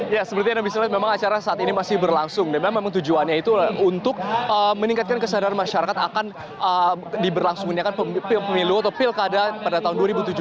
ya sebetulnya memang acara saat ini masih berlangsung dan memang tujuannya itu untuk meningkatkan kesadaran masyarakat akan diberlangsungkan pemilu atau pilkada pada tahun dua ribu tujuh belas